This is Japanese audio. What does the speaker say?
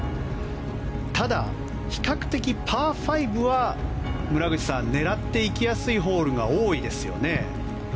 ただ、比較的パー５は村口さん狙っていきやすいホールが多いですよね。